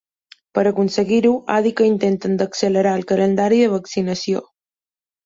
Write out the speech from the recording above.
Per a aconseguir-ho, ha dit que intenten d’accelerar el calendari de vaccinació.